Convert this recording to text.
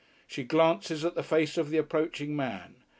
She glances at the face of the approaching man.